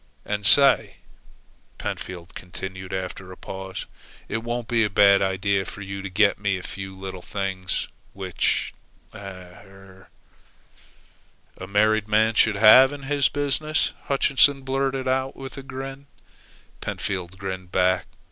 "And say," Pentfield continued, after a pause, "it won't be a bad idea for you to get me a few little things which a er " "A married man should have in his business," Hutchinson blurted out with a grin. Pentfield grinned back.